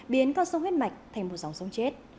biến con sông huyết mạch thành một dòng sông chết